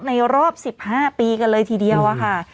รอบ๑๕ปีกันเลยทีเดียวค่ะ